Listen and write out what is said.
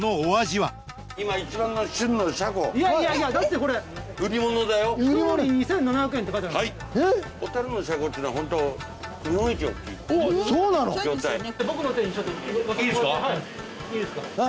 はいいいですか？